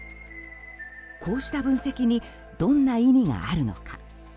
こうした分析にどんな意味があるのか？